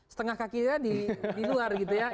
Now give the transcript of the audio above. setengah kaki kita di luar gitu ya